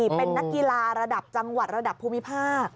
เป็นนักกีฬาระดับจังหวัดระดับภูมิภาค